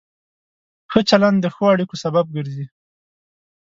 ښه چلند د ښو اړیکو سبب ګرځي.